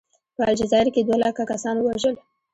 په الجزایر کې یې دوه لکه کسان ووژل.